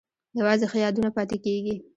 یوازې ښه یادونه پاتې کیږي؟